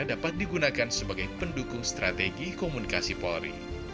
dapat digunakan sebagai pendukung strategi komunikasi polri